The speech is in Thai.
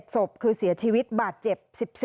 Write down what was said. ศพคือเสียชีวิตบาดเจ็บ๑๔